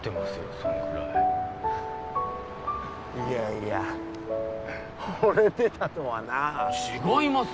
そんくらいいやいやほれてたとはな違います